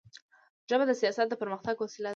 ژبه د سیاست د پرمختګ وسیله ده